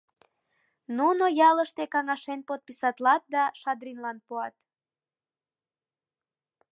Нуно ялыште каҥашен подписатлат да Шадринлан пуат.